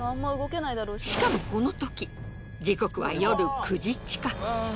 しかもこのとき時刻は夜９時近く。